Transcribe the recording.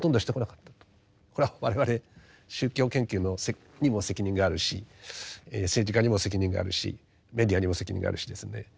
これは我々宗教研究にも責任があるし政治家にも責任があるしメディアにも責任があるしですね。